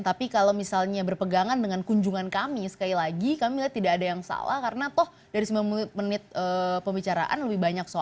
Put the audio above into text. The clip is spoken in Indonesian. tapi kalau misalnya berpegangan dengan kunjungan kami sekali lagi kami lihat tidak ada yang salah karena toh dari sembilan menit pembicaraan lebih banyak soal